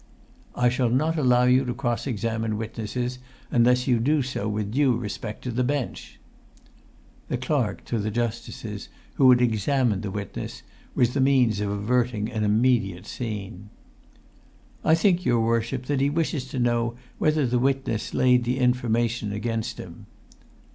"I shall not allow you to cross examine witnesses unless you do so with due respect to the bench." The clerk to the justices, who had examined the witness, was the means of averting an immediate scene. "I think, your worship, that he wishes to know whether the witness laid the information against him."